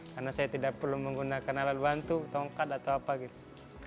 karena saya tidak perlu menggunakan alat bantu tongkat atau apa gitu